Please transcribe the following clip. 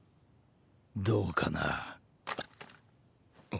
どうかな。